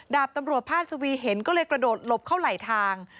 ดาบตำรวจพาสวีเห็นก็เลยกระโดดหลบเข้าไหลทาง